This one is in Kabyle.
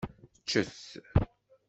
Ččet.